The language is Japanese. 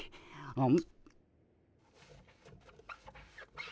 うん。